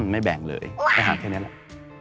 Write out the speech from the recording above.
ไม่แบ่งเลยอาหารแค่นี้แหละ